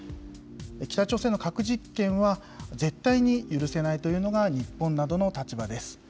北朝鮮の核実験は、絶対に許せないというのが日本などの立場です。